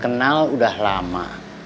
kenal udah lama